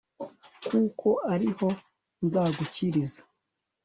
kuko ari ho nzagukiriza